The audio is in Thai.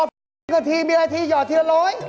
พอ๑๐นาทีมีนาทีหยอดทีละร้อย